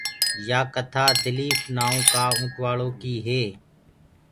يآ ڪٿآ ايڪ دليٚڦ نآئو ڪآ اوٽواݪو ڪيٚ هي